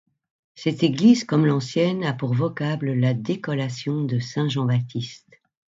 Cette église, comme l’ancienne, a pour vocable la Décollation-de-Saint-Jean-Baptiste.